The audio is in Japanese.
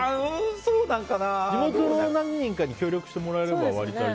地元の何人かに協力してもらえれば。